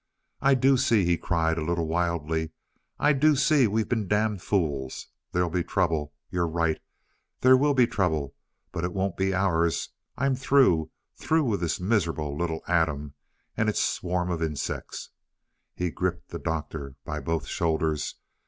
"I do see," he cried a little wildly. "I do see we've been damn fools. There'll be trouble. You're right there will be trouble; but it won't be ours. I'm through through with this miserable little atom and its swarm of insects." He gripped the Doctor by both shoulders.